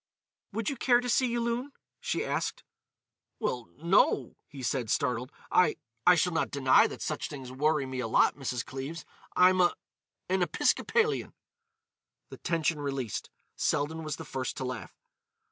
"Would you care to see Yulun?" she asked. "Well—no," he said, startled. "I—I shall not deny that such things worry me a lot, Mrs. Cleves. I'm a—an Episcopalian." The tension released, Selden was the first to laugh.